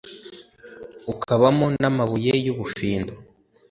ukabamo n'amabuye y'ubufindo